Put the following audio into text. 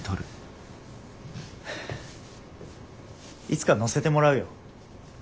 いつか乗せてもらうよ